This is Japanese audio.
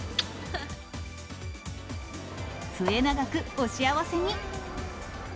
末永くお幸せに。